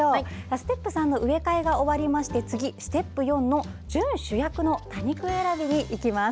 ステップ３の植え替えが終わりましてステップ４の準主役の多肉選びにいきます。